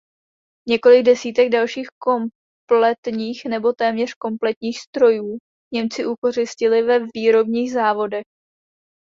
Několik desítek dalších kompletních nebo téměř kompletních strojů Němci ukořistili ve výrobních závodech.